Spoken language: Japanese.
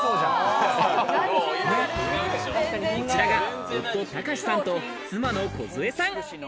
こちらが夫・隆さんと妻の梢さん。